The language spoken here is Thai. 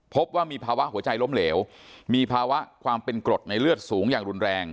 พบว่ามีภาวะหัวใจล้มเหลวมีภาวะความเป็นกรดในเลือดสูงอย่างรุนแรง